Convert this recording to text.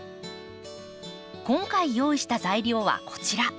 今回用意した材料はこちら。